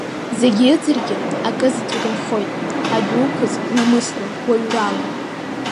Зегь ыӡыргьы, акызаҵәык нхоит, адәы уқәыз ламысла, уаҩрала…